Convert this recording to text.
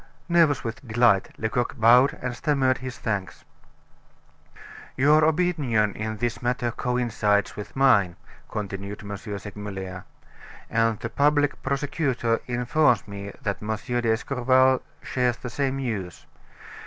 Nervous with delight, Lecoq bowed and stammered his thanks. "Your opinion in this matter coincides with mine," continued M. Segmuller, "and the public prosecutor informs me that M. d'Escorval shares the same views.